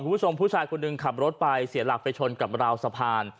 คุณผู้ชมผู้ชายคนหนึ่งขับรถไปเสียหลักไปชนกับราวสะพาน